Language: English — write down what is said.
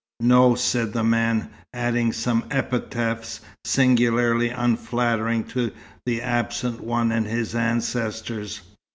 "No," said the man, adding some epithets singularly unflattering to the absent one and his ancestors.